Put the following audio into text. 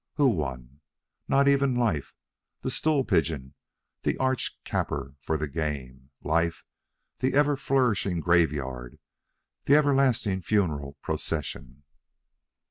Who won? Not even Life, the stool pigeon, the arch capper for the game Life, the ever flourishing graveyard, the everlasting funeral procession.